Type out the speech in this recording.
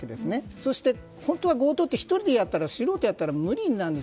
そして本当は強盗って１人素人がやったら無理なんです。